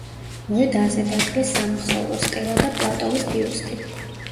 მოედანზე დადგეს სამახსოვრო სტელა და პლატოვის ბიუსტი.